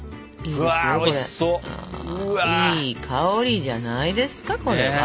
いい香りじゃないですかこれは。